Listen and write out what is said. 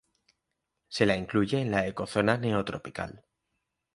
Se la incluye en la ecozona Neotropical.